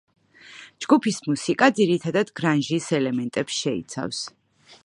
ჯგუფის მუსიკა ძირითადად გრანჟის ელემენტებს შეიცავს.